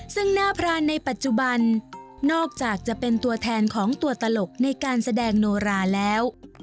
ซึ่งหน้าพรานในปัจจุบันนอกจากจะเป็นตัวแทนของตัวตลกในการแสดงโนราแล้ว